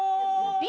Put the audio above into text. Ｂ